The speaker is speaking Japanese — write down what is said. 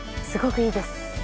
すごくいいです。